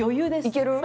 いける？